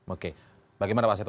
oke bagaimana pak seto